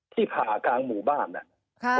ที่ผ่ากลางหมู่บ้านเนี่ย